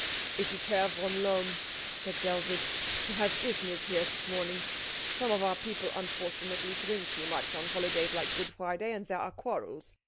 "It is Herr von Lohm," said Dellwig, "who has business here this morning. Some of our people unfortunately drink too much on holidays like Good Friday, and there are quarrels.